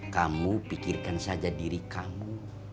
kamu pikirkan saja diri kamu